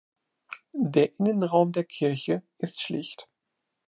Der Innenraum der Kirche ist schlicht.